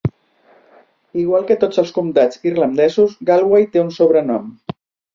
Igual que tots els comtats irlandesos, Galway té un sobrenom.